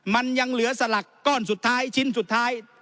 มันยังเหลือสลักก้อนสุดท้ายชิ้นสุดท้าย